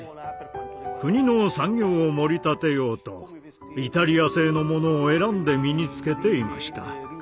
国の産業をもり立てようとイタリア製のものを選んで身に着けていました。